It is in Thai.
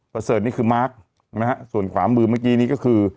ประเสริฐนี่คือมาร์คส่วนขวามือเมื่อกี้นี่ก็คือ